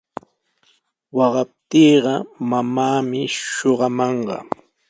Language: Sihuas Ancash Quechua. Waqaptiiqa mamaami shuqamanqa.